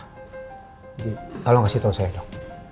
jadi tolong kasih tau saya dok